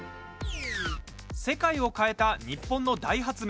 世界を変えたニッポンの大発明